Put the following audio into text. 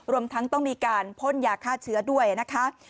รวมทั้งต้องมีการพ่นยาฆ่าเชื้อด้วยนะคะ